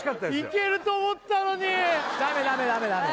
いけると思ったのにダメダメダメダメ